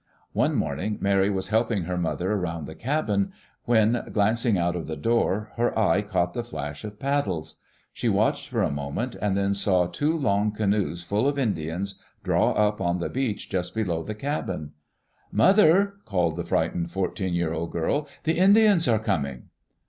One morning Mary was helping her mother around the cabin, when, glancing out of the door, her eye caught the flash of paddles. She watched for a moment, and then saw two long canoes full of Indians draw up on the beach just below the cabin. "Mother," called the frightened fourteen year old girl, "the Indians are coming."